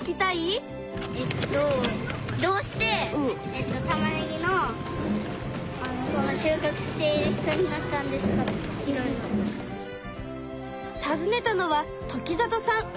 えっとたずねたのは時里さん。